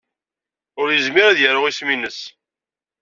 Ur yezmir ad yaru isem-nnes.